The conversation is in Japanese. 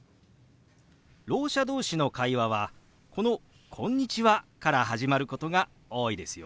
ろう者同士の会話はこの「こんにちは」から始まることが多いですよ。